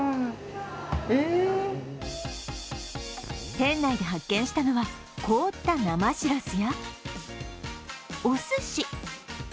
店内で発見したのは凍った生しらすや、おすし。